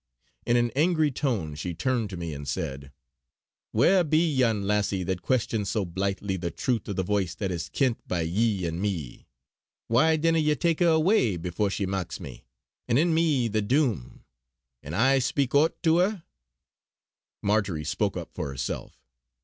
In an angry tone she turned to me and said: "Wha be yon lassie that questions so blithely the truth o' the Voice that is kent by ye an' me? Why dinna ye tak her awa' before she mocks me, an' in me the Doom; an' I speak oot to her?" Marjory spoke up for herself.